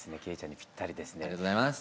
ありがとうございます。